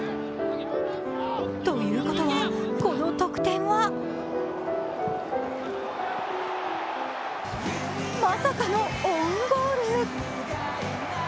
ということは、この得点はまさかのオウンゴール。